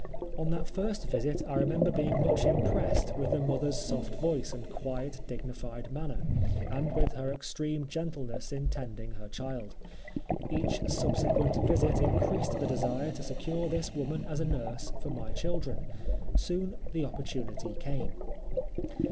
On that first visit I remember being much impressed with the mother's soft voice and quiet dignified manner, and with her extreme gentleness in tending her child. Each subsequent visit increased the desire to secure this woman as a nurse for my children. Soon the opportunity came.